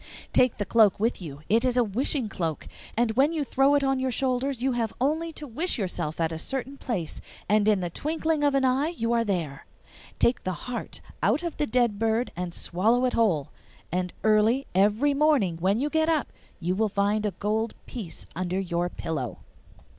Take the cloak with you; it is a wishing cloak, and when you throw it on your shoulders you have only to wish yourself at a certain place, and in the twinkling of an eye you are there. Take the heart out of the dead bird and swallow it whole, and early every morning when you get up you will find a gold piece under your pillow.